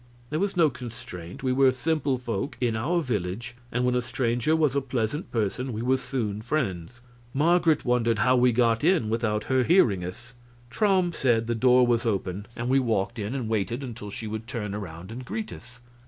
There was no constraint. We were simple folk, in our village, and when a stranger was a pleasant person we were soon friends. Marget wondered how we got in without her hearing us. Traum said the door was open, and we walked in and waited until she should turn around and greet us.